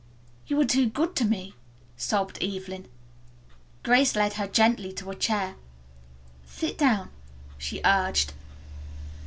"You are too good to me," sobbed Evelyn. Grace led her gently to a chair. "Sit down," she urged.